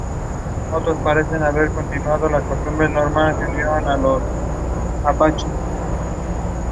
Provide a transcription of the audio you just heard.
Smith Alford played at right halfback.